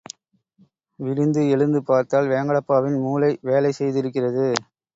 விடிந்து எழுந்து பார்த்தால் வேங்கடப்பாவின் மூளை வேலை செய்திருக்கிறது.